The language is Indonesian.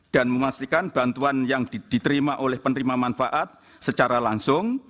dan memastikan bantuan yang diterima oleh penerima manfaat secara langsung